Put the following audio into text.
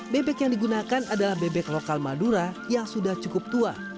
bebek yang digunakan adalah bebek lokal madura yang sudah cukup tua